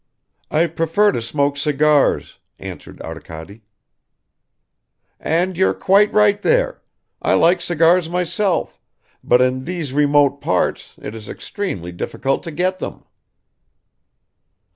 "I prefer to smoke cigars," answered Arkady. "And you're quite right there. I like cigars myself, but in these remote parts it is extremely difficult to get them."